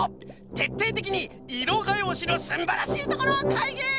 てっていてきにいろがようしのすんばらしいところかいぎ！